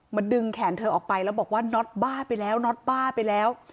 ดึงแขนเธอออกไปแล้วบอกว่าน็อตบ้าไปแล้วน็อตบ้าไปแล้ว